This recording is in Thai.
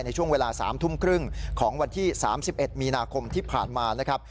ในช่วงเวลาสามทุ่มครึ่งของวันที่สามสิบเอ็ดมีนาคมที่ผ่านมานะครับ